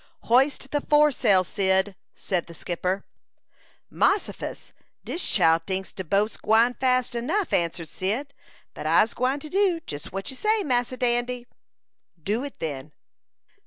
"Hoist the foresail, Cyd," said the skipper. "Mossifus! Dis chile tinks de boat's gwine fas enough," answered Cyd, "but I'se gwine to do jus what you say, Massa Dandy." "Do it then."